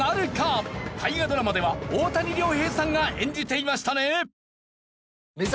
大河ドラマでは大谷亮平さんが演じていましたね。